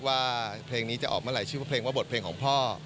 ว่าเพลงนี้จะออกมาหลายชื่อเพลงว่าบทเพลงของพ่อ